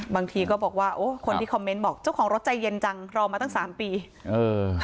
บางทีก็บอกว่าโอ้คนที่คอมเมนต์บอกเจ้าของรถใจเย็นจังรอมาตั้งสามปีเออ